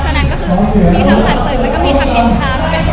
ฉะนั้นก็คือมีทำศัลษณ์ซึ่งก็มีทำยินทะ